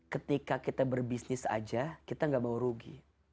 ketika kita berbisnis aja kita gak mau rugi